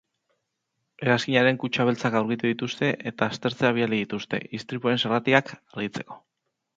Hegazkinaren kutxa beltzak aurkitu dituzte eta aztertzera bidali dituzte, istripuaren zergatiak argitzeko.